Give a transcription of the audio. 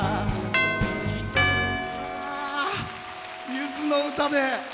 ゆずの歌で。